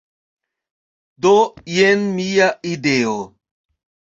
Do, jen mia ideo!